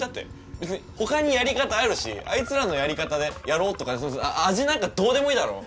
別にほかにやり方あるしあいつらのやり方でやろうとか味なんかどうでもいいだろ！